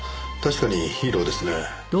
確かにヒーローですね。